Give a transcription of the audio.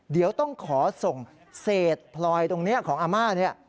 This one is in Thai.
เดี๋ยวต้องขอส่งเศษพลอยตรงนี้ของอาม่าเนี่ย